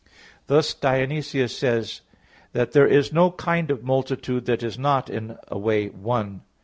Thus Dionysius says (Div. Nom., cap. ult.) that "there is no kind of multitude that is not in a way one.